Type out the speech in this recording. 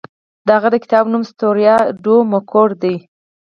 د هغه د کتاب نوم ستوریا ډو مګور دی.